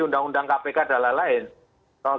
undang undang kpk dan lain lain